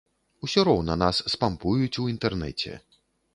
Усё роўна нас спампуюць у інтэрнэце.